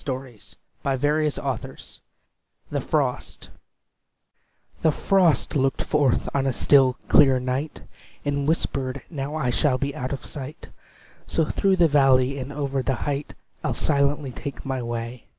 ROBERT SOUTHEY THE FROST The frost looked forth on a still, clear night, And whispered, "Now I shall be out of sight; So through the valley and over the height I'll silently take my way.